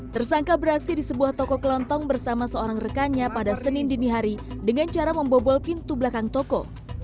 tersangka beraksi di sebuah toko kelontong bersama seorang rekannya pada senin dinihari dengan cara membobol pintu belakang toko